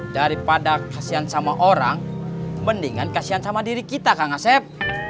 daripada kasihan sama orang mendingan kasihan sama diri kita kang asep